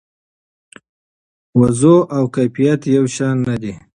وضوح او کیفیت یو شان نه دي.